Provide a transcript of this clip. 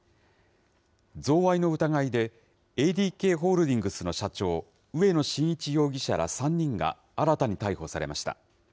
贈賄の疑いで、ＡＤＫホールディングスの社長、植野伸一容疑者ら３人が新たに逮捕されました。